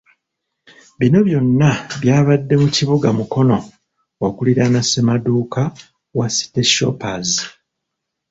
Bino byonna byabadde mu kibuga Mukono okuliraana Ssemaduuka wa City Shoppers.